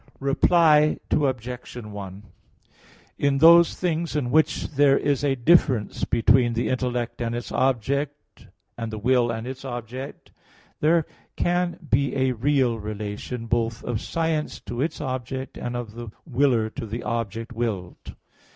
Reply Obj. 1: In those things in which there is a difference between the intellect and its object, and the will and its object, there can be a real relation, both of science to its object, and of the willer to the object willed.